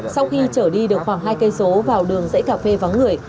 sau khi trở đi được khoảng hai km vào đường dãy cà phê vắng người